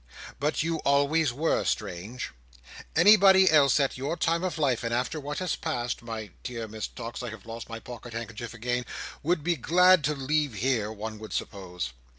But you always were strange. Anybody else at your time of life, and after what has passed—my dear Miss Tox, I have lost my pocket handkerchief again—would be glad to leave here, one would suppose."